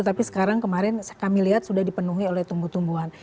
tapi sekarang kemarin kami lihat sudah dipenuhi oleh tumbuh tumbuhan